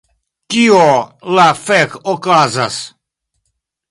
Kio la fek okazas...?